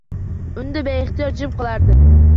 Unda beixtiyor jim qolardim.